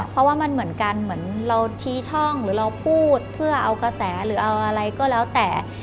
เพราะว่ามันเหมือนกันเหมือนเราชี้ช่องหรือเราพูดเพื่อเอากระแสหรือเอาอะไรก็แล้วแต่